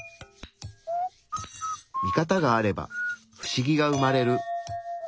ミカタがあればフシギが生まれる。